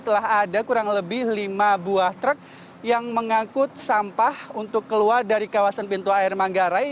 telah ada kurang lebih lima buah truk yang mengangkut sampah untuk keluar dari kawasan pintu air manggarai